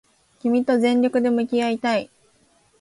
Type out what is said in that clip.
君と全力で向き合いたい